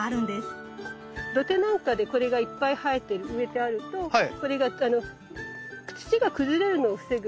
土手なんかでこれがいっぱい生えて植えてあるとこれが土が崩れるのを防ぐ。